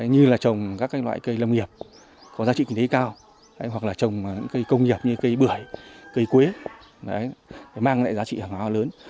như là trồng các loại cây lâm nghiệp có giá trị kinh tế cao hoặc là trồng cây công nghiệp như cây bưởi cây quế mang lại giá trị hàng hóa lớn